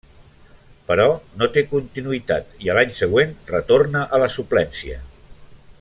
Però, no té continuïtat, i a l'any següent retorna a la suplència.